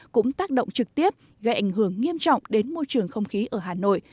cũng tác động trực tiếp gây ảnh hưởng nghiêm trọng đến môi trường không khí ở hà nội